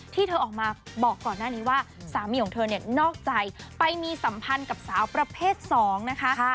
ที่เธอออกมาบอกก่อนหน้านี้ว่าสามีของเธอเนี่ยนอกใจไปมีสัมพันธ์กับสาวประเภท๒นะคะ